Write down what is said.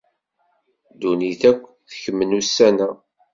Ddunit akk tekmen ussan-a.